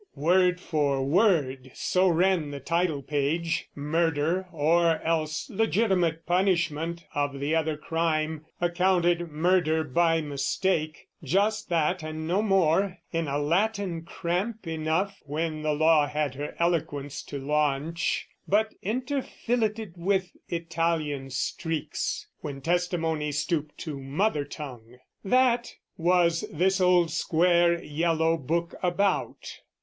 Word for word, So ran the title page: murder, or else Legitimate punishment of the other crime, Accounted murder by mistake, just that And no more, in a Latin cramp enough When the law had her eloquence to launch, But interfilleted with Italian streaks When testimony stooped to mother tongue, That, was this old square yellow book about.